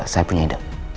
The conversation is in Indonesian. saya punya ide